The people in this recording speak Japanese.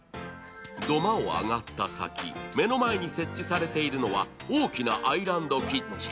土間を上がった先、目の前に設置されているのは大きなアイランドキッチン。